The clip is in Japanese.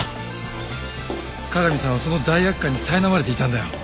加賀美さんはその罪悪感にさいなまれていたんだよ。